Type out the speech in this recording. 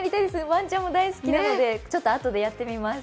ワンちゃんも大好きなのでちょっとあとでやってみます。